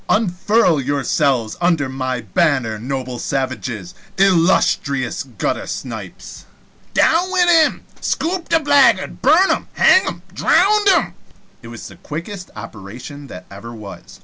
Unfurl yourselves under my banner, noble savages, illustrious guttersnipes " "Down wid him!" "Scoop the blaggard!" "Burn him!" "Bang him!" "Dhround him!" It was the quickest operation that ever was.